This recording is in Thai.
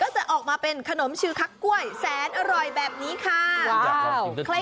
จะออกมาเป็นขนมชิลคักกล้วยแสนอร่อยแบบนี้ค่ะ